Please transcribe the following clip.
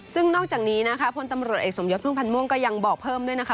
ซึ่งนอกจากนี้นะคะพลตำรวจเอกสมยศพุ่มพันธ์ม่วงก็ยังบอกเพิ่มด้วยนะคะ